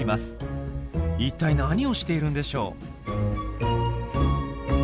いったい何をしているんでしょう？